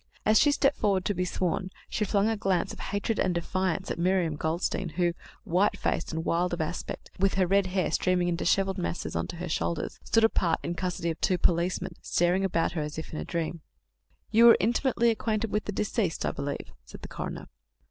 As she stepped forward to be sworn she flung a glance of hatred and defiance at Miriam Goldstein, who, white faced and wild of aspect, with her red hair streaming in dishevelled masses on to her shoulders, stood apart in custody of two policemen, staring about her as if in a dream. "You were intimately acquainted with the deceased, I believe?" said the coroner.